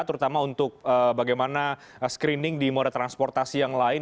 terutama untuk bagaimana screening di moda transportasi yang lain